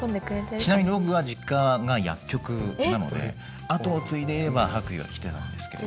ちなみに僕は実家が薬局なので後を継いでいれば白衣は着てたんですけど。